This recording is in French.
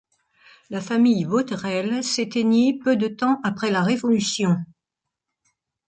La famille Botterel s’éteignit peu de temps après la Révolution.